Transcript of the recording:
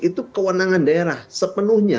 itu kewenangan daerah sepenuhnya